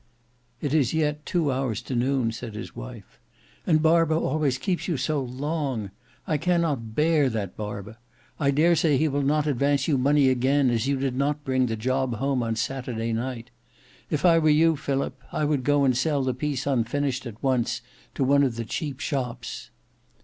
"It is yet two hours to noon," said his wife. "And Barber always keeps you so long! I cannot bear that Barber: I dare say he will not advance you money again as you did not bring the job home on Saturday night. If I were you, Philip, I would go and sell the piece unfinished at once to one of the cheap shops."